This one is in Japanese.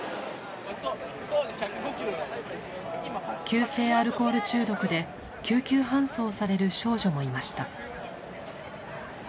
急性アルコール中毒で救急搬送される少女もいました。